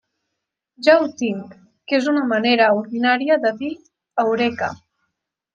Ja ho tinc!- que és una manera ordinària de dir Eureka!